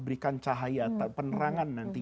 berikan cahaya penerangan nanti